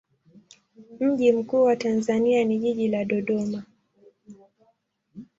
Mji mkuu wa Tanzania ni jiji la Dodoma.